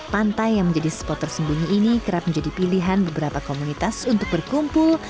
pantai yang menjadi spot tersembunyi ini kerap menjadi pilihan beberapa komunitas untuk berkumpul